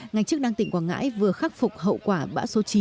ngành chức năng tỉnh quảng ngãi vừa khắc phục hậu quả bão số chín